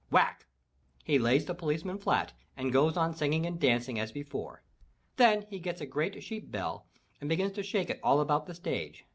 Whack! he lays the policeman flat and goes on singing and dancing as before. Then he gets a great sheep bell and begins to shake it all about the stage.